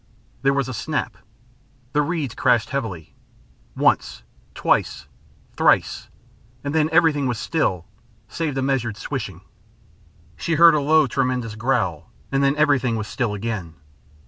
There was a snap. The reeds crashed heavily, once, twice, thrice, and then everything was still save a measured swishing. She heard a low tremulous growl, and then everything was still again.